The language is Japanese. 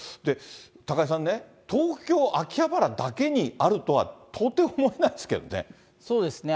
高井さんね、東京・秋葉原だけにあるとは、到底、そうですね。